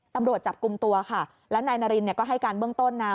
ตำรวจจับกลุ่มตัวค่ะแล้วนายนารินเนี่ยก็ให้การเบื้องต้นนะ